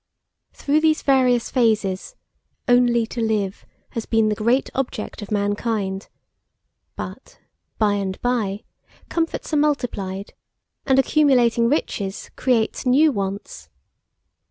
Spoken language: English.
Through these various phases, only to live has been the great object of mankind; but, by and by, comforts are multiplied, and accumulating riches create new wants.